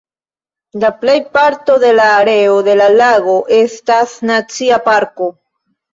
La plejparto de la areo de la lago estas nacia parko.